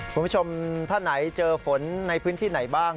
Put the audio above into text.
คุณผู้ชมท่านไหนเจอฝนในพื้นที่ไหนบ้าง